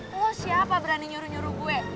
terus siapa berani nyuruh nyuruh gue